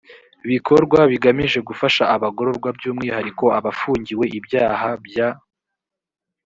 bikorwa bigamije gufasha abagororwa by umwihariko abafungiwe ibyaha bya